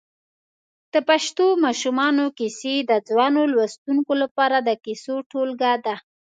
د پښتو ماشومانو کیسې د ځوانو لوستونکو لپاره د کیسو ټولګه ده.